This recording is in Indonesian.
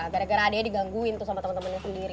gara gara adiknya digangguin tuh sama temen temennya sendiri